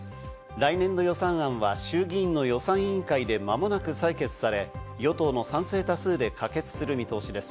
来年度予算案は衆議院の予算委員会で間もなく採決され、与党の賛成多数で可決する見通しです。